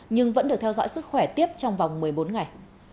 nhưng vẫn được theo dõi sức khỏe tiếp trong vòng một mươi bốn ngày